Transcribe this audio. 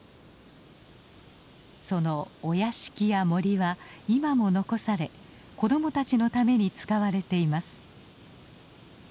そのお屋敷や森は今も残され子供たちのために使われています。